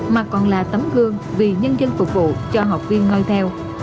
mà còn là tấm gương vì nhân dân phục vụ cho học viên nói theo